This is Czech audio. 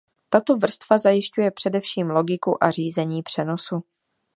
Tato vrstva zajišťuje především logiku a řízení přenosu.